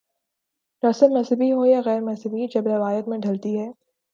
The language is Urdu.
رسم مذہبی ہو یا غیر مذہبی جب روایت میں ڈھلتی ہے۔